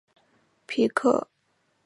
皮克区国家公园横跨郡的东北部。